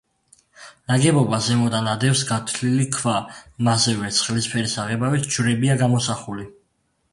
ნაგებობას ზემოდან ადევს გათლილი ქვა, მასზე ვერცხლისფერი საღებავით ჯვრებია გამოსახული.